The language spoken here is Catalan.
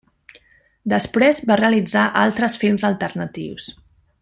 Després va realitzar altres films alternatius.